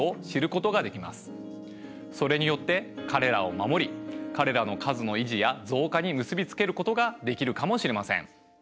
それによって彼らを守り彼らの数の維持や増加に結び付けることができるかもしれません。